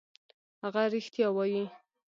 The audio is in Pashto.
هغه رښتیا وايي.